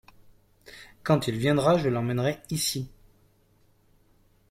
Quand il viendra je l’amènerai ici.